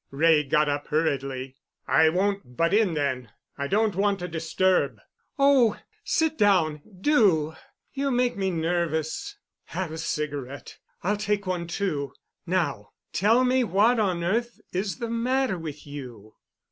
Wray got up hurriedly. "I won't 'butt in' then. I don't want to disturb——" "Oh, sit down—do. You make me nervous. Have a cigarette—I'll take one, too. Now tell me what on earth is the matter with you."